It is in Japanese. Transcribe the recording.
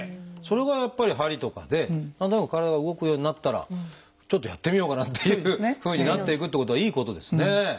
それがやっぱり鍼とかで何となく体が動くようになったらちょっとやってみようかなっていうふうになっていくってことはいいことですね。